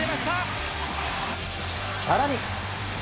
さらに。